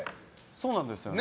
そうなんですよね。